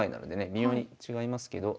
微妙に違いますけど。